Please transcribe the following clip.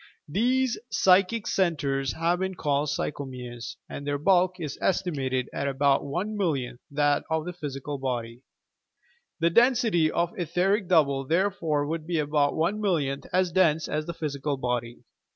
These psychic centres have been called "psychomeres," and their bulk is estimated at about one millionth that of the physical body. The density of the etheric double, therefore, would be about one millionth as dense as the physical body.